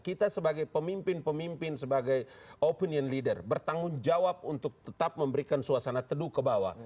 kita sebagai pemimpin pemimpin sebagai opinion leader bertanggung jawab untuk tetap memberikan suasana teduh ke bawah